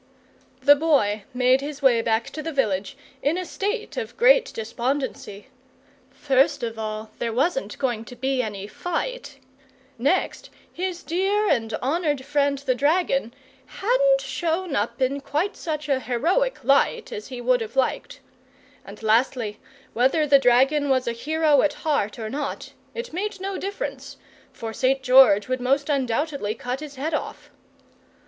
The Boy made his way back to the village in a state of great despondency. First of all, there wasn't going to be any fight; next, his dear and honoured friend the dragon hadn't shown up in quite such a heroic light as he would have liked; and lastly, whether the dragon was a hero at heart or not, it made no difference, for St. George would most undoubtedly cut his head off.